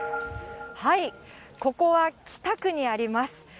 ここは、北区にあります。